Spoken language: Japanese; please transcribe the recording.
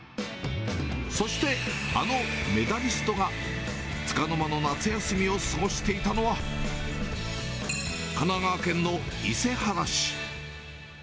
そして、あのメダリストが、つかの間の夏休みを過ごしていたのは、神奈川県の伊勢原市。